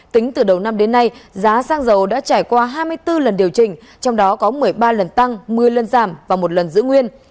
tính từ đầu năm đến nay giá xăng dầu đã trải qua hai mươi bốn lần điều chỉnh trong đó có một mươi ba lần tăng một mươi lần giảm và một lần giữ nguyên